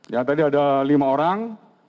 ya tadi ada lima orang